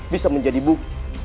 bisa menjadi buku